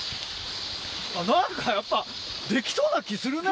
あっ何かやっぱできそうな気するね。